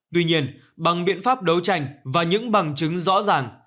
tuy nhiên bằng biện pháp đấu tranh và những bằng chứng rõ ràng